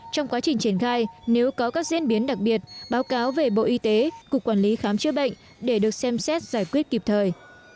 trong quá trình triển khai nếu có các diễn biến đặc biệt báo cáo về bộ y tế cục quản lý khám chữa bệnh để được xem xét giải quyết kịp thời